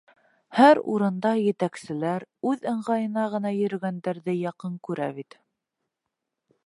Һәр урында етәкселәр үҙ ыңғайына ғына йөрөгәндәрҙе яҡын күрә бит.